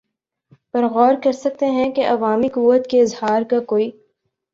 پر غور کر سکتے ہیں کہ عوامی قوت کے اظہار کا کوئی